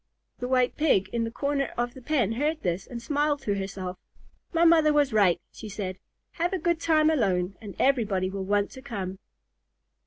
The White Pig in her corner of the pen heard this and smiled to herself. "My mother was right," she said; "'Have a good time alone, and everybody will want to come.'"